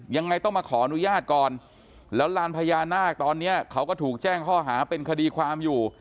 ยังไงต้องมาขออนุญาตก่อนแล้วลานพญานาคตอนนี้เขาก็ถูกแจ้งข้อหาเป็นคดีความอยู่